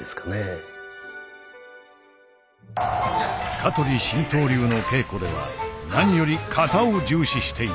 香取神道流の稽古では何より型を重視している。